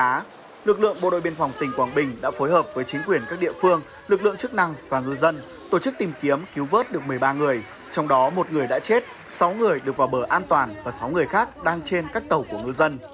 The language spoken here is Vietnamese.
trước đó lực lượng bộ đội biên phòng tỉnh quảng bình đã phối hợp với chính quyền các địa phương lực lượng chức năng và ngư dân tổ chức tìm kiếm cứu vớt được một mươi ba người trong đó một người đã chết sáu người được vào bờ an toàn và sáu người khác đang trên các tàu của ngư dân